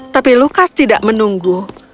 tapi lukas tidak menunggu